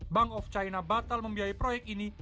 bank of china batal membiayai proyek ini